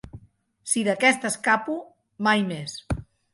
Si d'aquesta escapo, mai més.